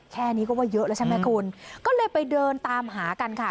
แค่นี้ก็ว่าเยอะแล้วใช่ไหมคุณก็เลยไปเดินตามหากันค่ะ